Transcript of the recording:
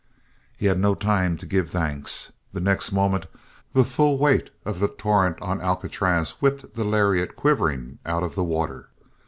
He had no time to give thanks. The next moment the full weight of the torrent on Alcatraz whipped the lariat quivering out of the water.